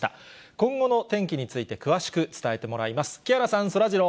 今後の天気について詳しく伝えてもらいます。